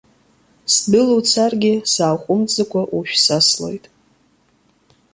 Сдәылуцаргьы сааҟәымҵӡакәа ушә саслоит.